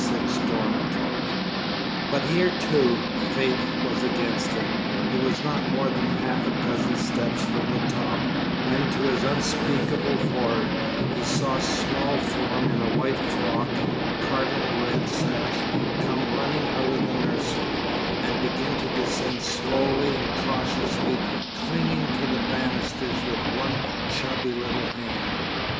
6 Dormitory! But here, too, fate was against him. He was not more than half a dozen steps from the top, when, to his unspeakable horror, he saw a small form in a white frock and cardinal red sash come running out of the nursery, and begin to descend slowly and cautiously, clinging to the banisters with one chubby little hand.